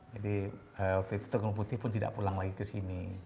jadi waktu itu tengku long putih pun tidak pulang lagi ke sini